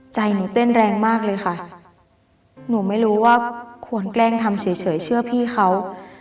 ใจหนูเต้นแรงมากเลยค่ะหนูไม่รู้ว่าควรแกล้งทำเฉยเชื่อพี่เขา